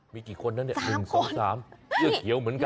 มีกี่คนนั้น๑๒๓เหี้ยวเหมือนกัน